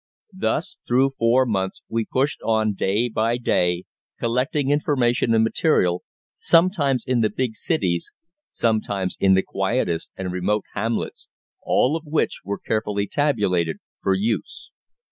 Thus, through four months we pushed on day by day collecting information and material, sometimes in the big cities, sometimes in the quietest and remotest hamlets, all of which was carefully tabulated for use.